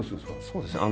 そうですね。